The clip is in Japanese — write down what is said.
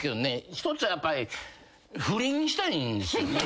１つはやっぱり不倫したいんですよね。